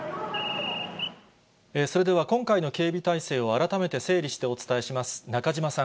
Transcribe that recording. それでは、今回の警備態勢を改めて整理してお伝えします。